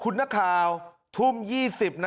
ชาวทุ่ม๒๐นาที